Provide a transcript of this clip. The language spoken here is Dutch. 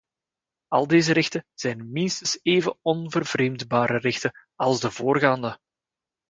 Al deze rechten zijn minstens even onvervreemdbare rechten als de voorgaande.